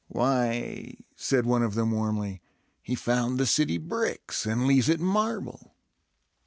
"Why," said one of them warmly, "he found the city bricks, and leaves it marble!"